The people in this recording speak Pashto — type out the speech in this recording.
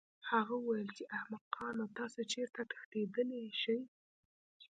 هغه وویل چې احمقانو تاسو چېرته تښتېدلی شئ